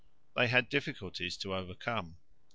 They had difficulties to overcome.